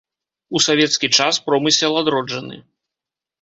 У савецкі час промысел адроджаны.